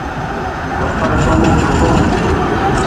ٿپڙ ڪونيٚ ٺوڪون ۔